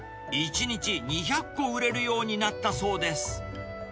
１日２００個売れるようになったそうです。